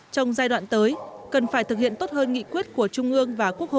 trong giai đoạn tới cần phải thực hiện tốt hơn nghị quyết của trung ương và quốc hội